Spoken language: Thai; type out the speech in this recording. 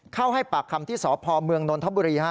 ให้ปากคำที่สพเมืองนนทบุรี